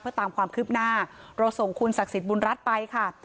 เพื่อตามความคืบหน้าเราส่งคุณศักดิ์สิทธิบุญรัฐไปค่ะ